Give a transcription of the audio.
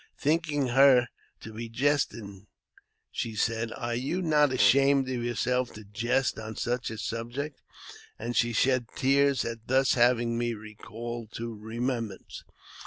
Thinking her to be jesting, she said, " Are you not ashamed of yourself to jest on such a subject ?" and she shed tears at thus having me recalled to remembrance.